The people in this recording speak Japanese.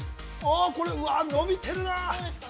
◆これ伸びてるな。